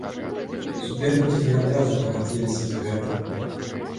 Супернікі не адразу пагадзіліся з гэтым.